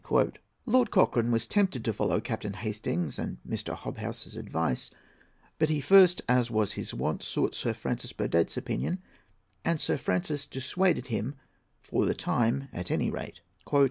Lord Cochrane was tempted to follow Captain Hastings's and Mr. Hobhouse's advice; but he first, as was his wont, sought Sir Francis Burdett's opinion; and Sir Francis dissuaded him, for the time, at any rate.